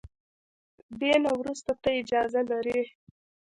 دې نه وروسته ته اجازه لري.